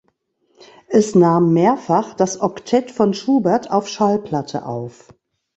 Es nahm mehrfach das Oktett von Schubert auf Schallplatte auf.